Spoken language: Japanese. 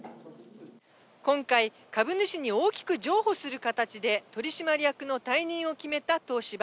今回、株主に大きく譲歩する形で取締役の退任を決めた東芝。